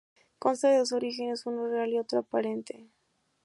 Consta de dos orígenes, uno real y otro aparente.